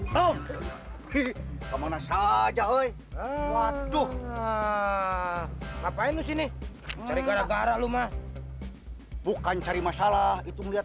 toh kemana saja oi aduh ngapain lu sini cari gara gara lu mah bukan cari masalah itu melihat